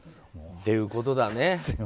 っていうことだね。